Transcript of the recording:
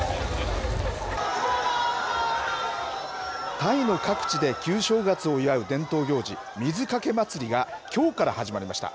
タイの各地で旧正月を祝う伝統行事、水かけ祭りがきょうから始まりました。